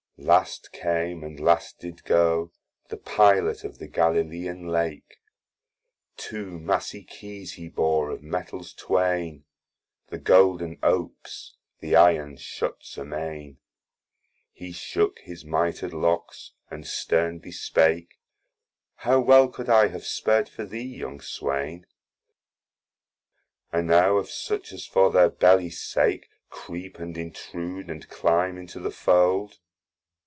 Last came, and last did go, The Pilot of the Galilean lake, Two massy Keyes he bore of metals twain, (The Golden opes, the Iron shuts amain) He shook his Miter'd locks, and stern bespake, How well could I have spar'd for thee, young swain, Anow of such as for their bellies sake, Creep and intrude, and climb into the fold?